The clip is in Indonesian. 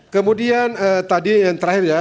kemudian tadi yang terakhir ya